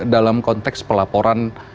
dalam konteks pelaporan